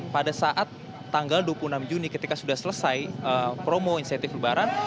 pada saat tanggal dua puluh enam juni ketika sudah selesai promo insentif lebaran